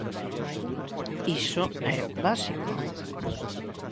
Iso é básico.